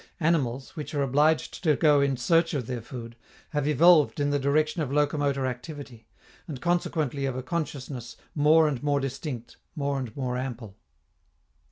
Animals, which are obliged to go in search of their food, have evolved in the direction of locomotor activity, and consequently of a consciousness more and more distinct, more and more ample.